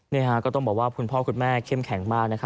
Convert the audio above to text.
นี่ก็ต้องบอกว่าคุณพ่อคุณแม่เข้มแข็งมาก